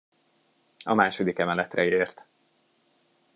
A második emeletre ért.